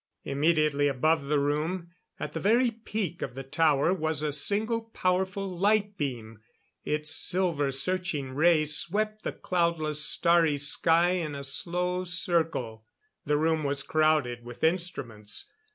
Immediately above the room, at the very peak of the tower, was a single, powerful light beam; its silver searching ray swept the cloudless, starry sky in a slow circle. The room was crowded with instruments.